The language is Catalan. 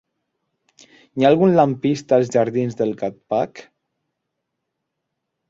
Hi ha algun lampista als jardins del Gatcpac?